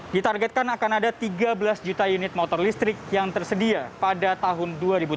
ditargetkan akan ada tiga belas juta unit motor listrik yang tersedia pada tahun dua ribu tujuh belas